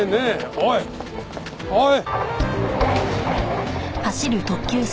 おいおい！